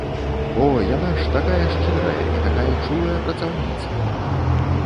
О, яна ж такая шчырая і такая чулая працаўніца!